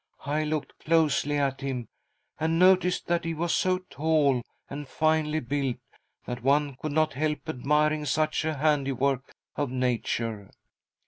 I looked closely at him, and noticed that he was so tall and finely built that one could not help admiring such a handiwork of nature.